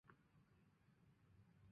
下嫁东阳尉申翊圣。